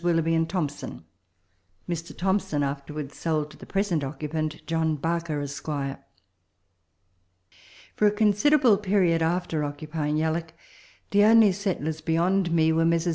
Willoughby and Thomson. Mr. Thomson afterwards sold to the present occupant, John Barker, Esq. For a considerable period after occupying Yalloak, the only settlers beyond me were Messrs.